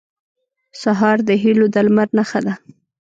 سهار د هيلو د لمر نښه ده.